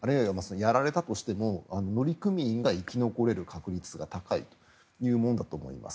やられたとしても乗組員が生き残れる確率が高いものだと思います。